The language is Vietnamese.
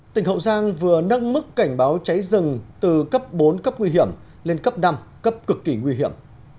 tỉnh hậu giang vừa nâng mức cảnh báo cháy rừng từ cấp bốn cấp nguy hiểm lên cấp năm cấp cực kỳ nguy hiểm